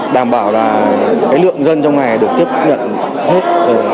đảm bảo là cái lượng dân trong ngày được tiếp nhận hết